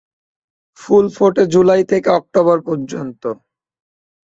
ফুল ফোটে জুলাই থেকে অক্টোবর পর্যন্ত।